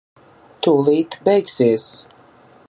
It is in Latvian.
Tūlīt beigsies.